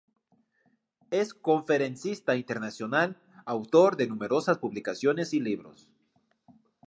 Es conferencista internacional, autor de numerosas publicaciones y libros.